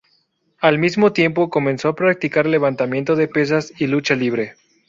Al mismo tiempo, comenzó a practicar levantamiento de pesas y lucha libre.